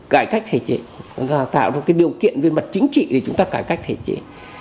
cải cách thể trị tạo ra một cái điều kiện về mặt chính trị để chúng ta cải cách thể trị